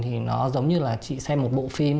thì nó giống như là chị xem một bộ phim